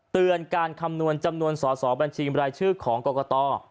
การคำนวณจำนวนสอสอบัญชีบรายชื่อของกรกต